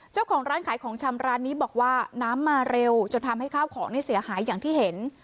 เจ้าของร้านขายของชำร้านนี้บอกว่าน้ำมาเร็วจนทำให้ข้าวของเสียหายอย่างที่เห็น